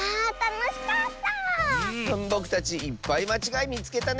ぼくたちいっぱいまちがいみつけたね！